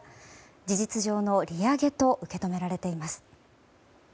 事実上の利上げと受け止められています。